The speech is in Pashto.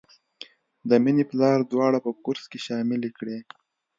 د مینې پلار دواړه په کورس کې شاملې کړې